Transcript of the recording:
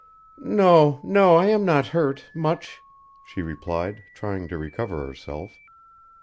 "No, no! I am not hurt much," she replied, trying to recover herself.